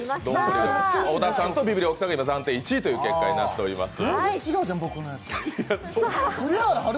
小田さんとビビる大木さんが暫定１位ということになっております。